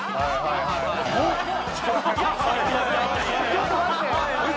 ちょっと待ってよ